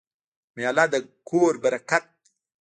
میلمه د کور برکت دی.